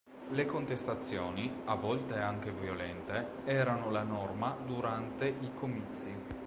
Le contestazioni, a volte anche violente, erano la norma durante i comizi.